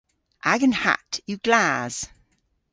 Agan hatt yw glas.